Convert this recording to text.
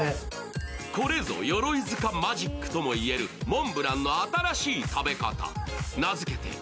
これぞ鎧塚マジックともいえるモンブランの新しい食べ方。